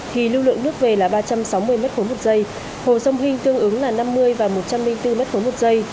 thì lưu lượng nước về là ba trăm sáu mươi m ba một giây hồ sông hinh tương ứng là năm mươi và một trăm linh bốn m ba một giây